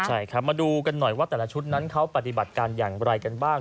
ใช่ครับมาดูกันหน่อยว่าแต่ละชุดนั้นเขาปฏิบัติการอย่างไรกันบ้าง